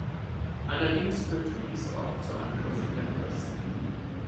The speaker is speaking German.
Allerdings führte dies auch zu Angriffen der Christen.